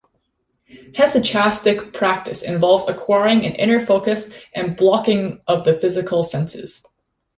Hesychastic practice involves acquiring an inner focus and blocking of the physical senses.